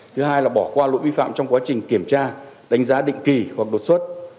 thứ hai là bỏ qua lỗi vi phạm trong quá trình kiểm tra đánh giá định kỳ hoặc đột xuất